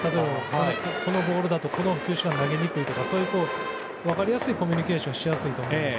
このボールだとこの球種は投げにくいとかそういう分かりやすいコミュニケーションをしやすいと思います。